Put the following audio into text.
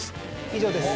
以上です。